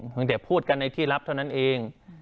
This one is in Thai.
เพียงแต่พูดกันในที่รับเท่านั้นเอง